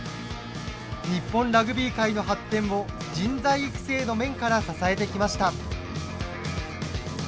日本ラグビー界の発展を人材育成の面から支えてきました。